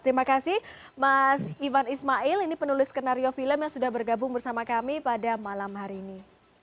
terima kasih mas ivan ismail ini penulis skenario film yang sudah bergabung bersama kami pada malam hari ini